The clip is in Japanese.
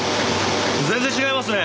全然違いますね。